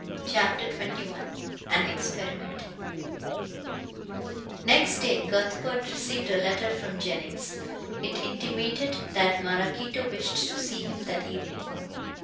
CHAPTER XXI AN EXPERIMENT Next day Cuthbert received a letter from Jennings. It intimated that Maraquito wished to see him that evening.